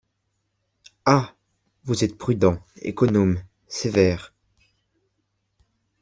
Ah ! vous êtes prudent, économe, sévère